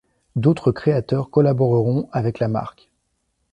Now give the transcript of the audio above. D' autres créateurs collaborerons avec la marque.